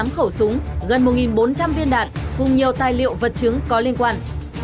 hai mươi tám khẩu súng gần một bốn trăm linh viên đạt cùng nhiều tài liệu vật chứng có liên quan